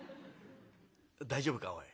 「大丈夫かおい。